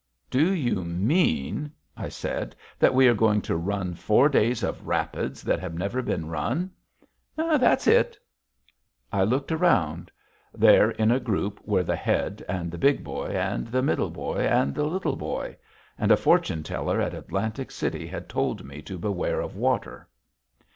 "Do you mean," I said, "that we are going to run four days of rapids that have never been run?" "That's it." I looked around. There, in a group, were the Head and the Big Boy and the Middle Boy and the Little Boy. And a fortune teller at Atlantic City had told me to beware of water!